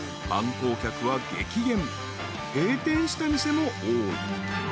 ［閉店した店も多い］